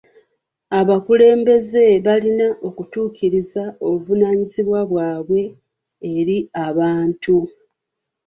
Abakulembeze balina okutuukiriza obuvunaanyizibwa bwabwe eri abantu.